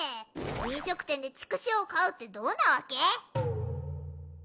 飲食店で畜生を飼うってどうなわけ？